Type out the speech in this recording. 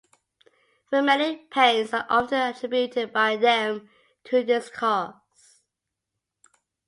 Rheumatic pains are often attributed by them to this cause.